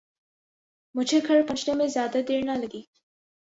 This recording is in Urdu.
مجھے گھر پہنچنے میں زیادہ دیر نہ لگی